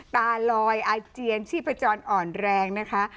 ตาลอยอาเจียนชีพจรอ่อนแรงนะคะ